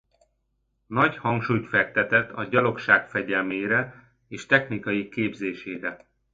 Nagy hangsúlyt fektetett a gyalogság fegyelmére és technikai képzésére.